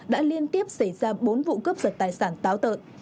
đã liên tiếp xảy ra bốn vụ cướp giật tài sản táo tợn